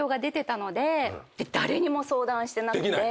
で誰にも相談してなくて。